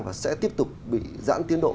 và sẽ tiếp tục bị giãn tiến độ